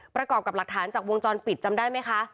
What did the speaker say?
ประกอบกับหลักฐานจากวงจรปิดจำได้ไหมคะ